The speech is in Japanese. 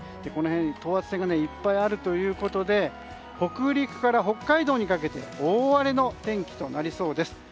この辺、等圧線がいっぱいあるということで北陸から北海道にかけて大荒れの天気となりそうです。